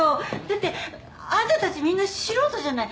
だってあんたたちみんな素人じゃない。